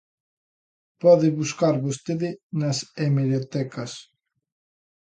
Pode buscar vostede nas hemerotecas.